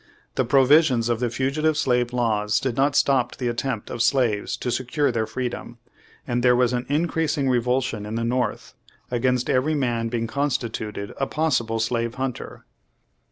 The provisions of the Fugitive Slave Laws did not stop the attempt of slaves to secure their freedom, and there was an increasing re vulsion in the North against every man being constituted a possible slave hunter.